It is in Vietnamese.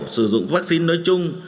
sử dụng vaccine nối chung